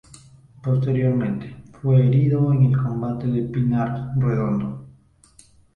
Posteriormente, fue herido en el combate de Pinar Redondo.